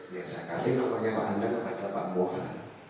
ya saya kasih namanya pak handang kepada pak mohan